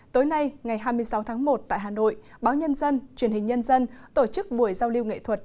tối nay ngày hai mươi sáu tháng một tại hà nội báo nhân dân truyền hình nhân dân tổ chức buổi giao lưu nghệ thuật